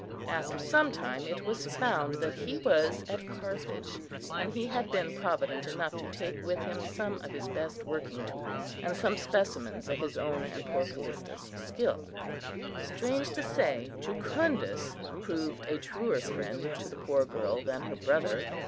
After some time it was found that he was at Carthage, and he had been provident enough to take with him some of his best working tools, and some specimens of his own and poor Callista's skill. Strange to say, Jucundus proved a truer friend to the poor girl than her brother.